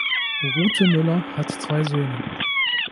Rutemöller hat zwei Söhne.